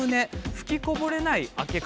吹きこぼれない開け方